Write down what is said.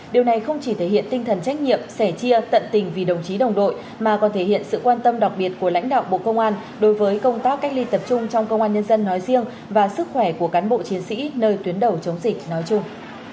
điều này không chỉ thể hiện tinh thần trách nhiệm sẻ chia tận tình vì đồng chí đồng đội mà còn thể hiện sự quan tâm đặc biệt của lãnh đạo bộ công an đối với công tác cách ly tập trung trong công an nhân dân nói riêng và sức khỏe của cán bộ chiến sĩ nơi tuyến đầu chống dịch nói chung